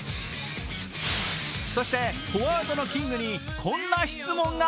そして、フォワードのキングにこんな質問が。